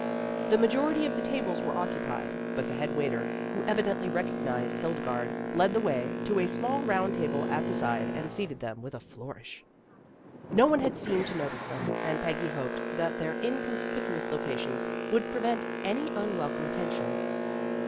The majority of the tables 162 , PEGGY RAYMOND'S WAY were occupied, but the head waiter, who evi dently recognized Hildegarde, led the way to a small round table at the side, and seated them with a flourish. No one had seemed to notice them, and Peggy hoped that their incon spicuous location would prevent any unwelcome attention.